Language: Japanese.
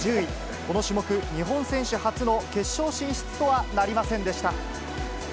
この種目、日本選手初の決勝進出とはなりませんでした。